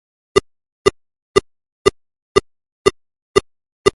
Bac de burra, a la sepultura.